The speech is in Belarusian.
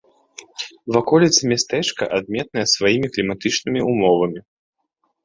Ваколіцы мястэчка адметныя сваімі кліматычнымі ўмовамі.